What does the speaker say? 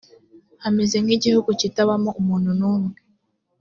hameze nkigihugu kitabamo umuntu numwe.